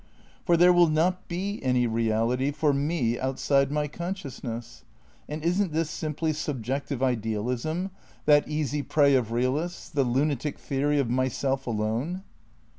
For there will not be any reality for me outside my consciousness. And isn't this simply "subjective idealism," that easy prey of realists, the lunatic theory of Myself Alone?